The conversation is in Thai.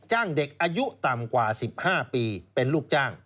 จ้างเด็กอายุต่ำกว่าสิบห้าปีเป็นลูกจ้าง